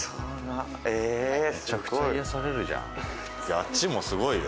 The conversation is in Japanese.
あっちもすごいよ。